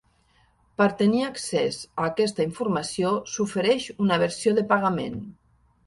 Per tenir accés a aquesta informació s'ofereix una versió de pagament.